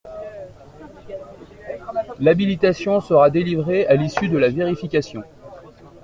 L’habilitation sera délivrée à l’issue de la vérification.